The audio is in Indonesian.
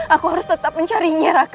aku harus tetap mencarinya raka